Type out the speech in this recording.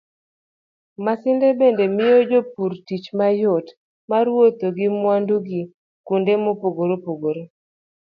Masinde bende miyo jopur tich mayot mar wuotho gi mwandu gi kuonde mopogore opogore.